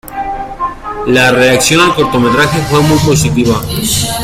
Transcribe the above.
La reacción al cortometraje fue muy positiva.